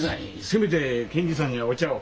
せめて検事さんにはお茶を。